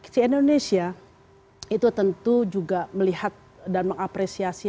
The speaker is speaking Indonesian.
si indonesia itu tentu juga melihat dan mengapresiasi